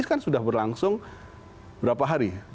tapi ini sudah berlangsung berapa hari